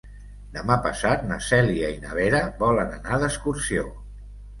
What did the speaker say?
Demà passat na Cèlia i na Vera volen anar d'excursió.